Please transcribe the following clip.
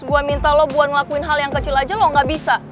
gue minta lo buat ngelakuin hal yang kecil aja lo gak bisa